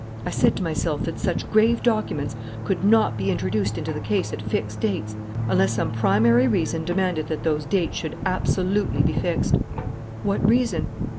I said to myself that such grave documents could not be introduced into the case at fixed dates unless some primary reason demanded that those dates should absolutely be fixed. What reason?